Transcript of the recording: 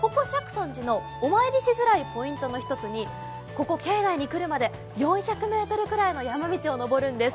ここ釈尊寺のお参りしづらいポイントの一つにここ境内に来るまで４００ｍぐらいの山道を上るんです。